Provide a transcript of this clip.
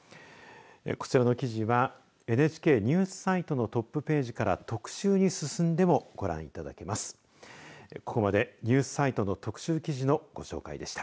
こちらの記事はＮＨＫニュースサイトのトップページから特集に進んでもご覧いただけます。